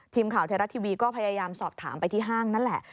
ทีมข่าวไทยรัฐทีวีก็พยายามสอบถามไปที่ห้างนั่นแหละ